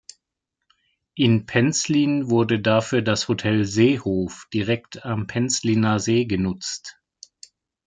In Penzlin wurde dafür das Hotel „Seehof“ direkt am Penzliner See genutzt.